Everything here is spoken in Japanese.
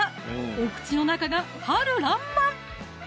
お口の中が春らんまん！